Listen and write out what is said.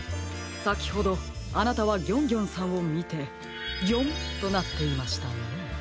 さきほどあなたはギョンギョンさんをみて「ギョン！」となっていましたね。